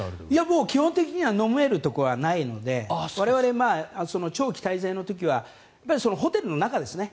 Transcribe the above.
基本的には飲めるところはないので我々、長期滞在の時はホテルの中ですね。